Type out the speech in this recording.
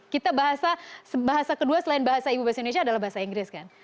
kita bahasa kedua selain bahasa inggris adalah bahasa inggris kan